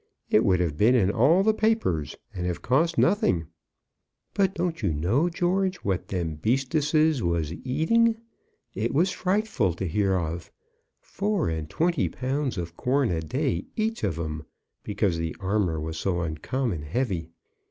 "It would have been in all the papers, and have cost nothing." "But you don't know, George, what them beastesses was eating! It was frightful to hear of! Four and twenty pounds of corn a day each of 'em, because the armour was so uncommon heavy."